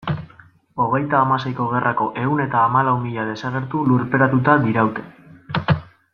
Hogeita hamaseiko gerrako ehun eta hamalau mila desagertu lurperatuta diraute.